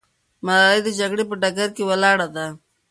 ملالۍ د جګړې په ډګر کې ولاړه ده.